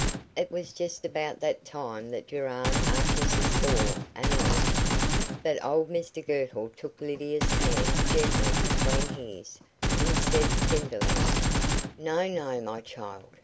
It was just about that time that Gerard Artis swore an oath. That old Mr Girtle took Lydia's hand gently between his, and said tenderly: "No, no, my child.